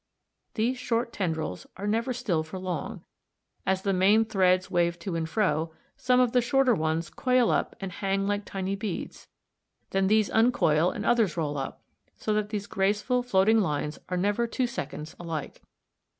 These short tendrils are never still for long; as the main threads wave to and fro, some of the shorter ones coil up and hang like tiny beads, then these uncoil and others roll up, so that these graceful floating lines are never two seconds alike.